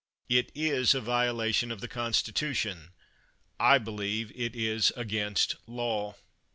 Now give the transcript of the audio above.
It is a violation of the Constitution. I believe it is against law.